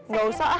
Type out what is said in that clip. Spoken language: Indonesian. ga usah ah